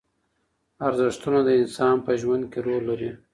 ارزښتونه د انسان په ژوند کې رول لري.